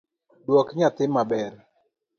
Duok nyathi maber